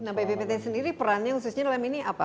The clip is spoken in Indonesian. nah bppt sendiri perannya khususnya dalam ini apa